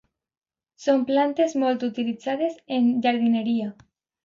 Són plantes molt utilitzades en jardineria.